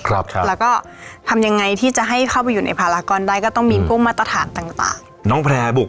แล้วก็ทำยังไงที่จะให้เข้าไปอยู่ในพารากอนได้ก็ต้องมีพวกมาตรฐานต่าง